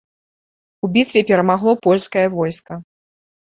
У бітве перамагло польскае войска.